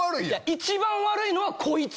一番悪いのはこいつ！